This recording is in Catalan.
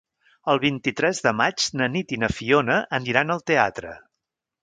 El vint-i-tres de maig na Nit i na Fiona aniran al teatre.